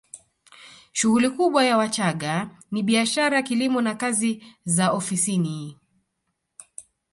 Shughuli kubwa ya Wachagga ni biashara kilimo na kazi za ofisini